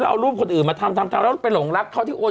เราเอารูปคนอื่นทำแล้วไปหลงลักข์เขาที่โอน